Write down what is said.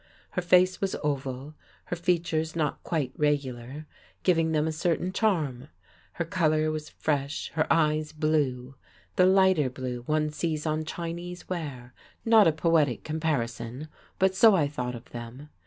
Her face was oval, her features not quite regular, giving them a certain charm; her colour was fresh, her eyes blue, the lighter blue one sees on Chinese ware: not a poetic comparison, but so I thought of them.